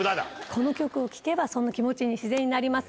この曲を聴けばその気持ちに自然になります。